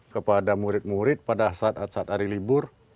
kepada murid murid pada saat saat hari libur